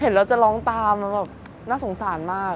เห็นแล้วจะร้องตามมันน่ะสงสารมาก